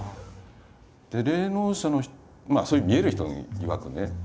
霊能者の人そういう見える人いわくね